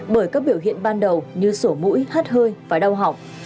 bởi các biểu hiện ban đầu như sổ mũi hắt hơi và đau học